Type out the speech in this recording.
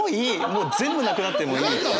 もう全部なくなってもいい！